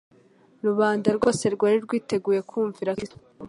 Rubanda rwose rwari rwiteguye kumvira Kristo.